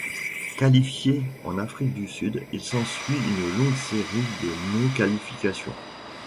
Qualifié en Afrique du Sud, il s'ensuit une longue série de non-qualifications.